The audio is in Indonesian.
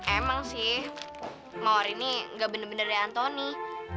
emang sih mau hari ini gak bener bener dari anthony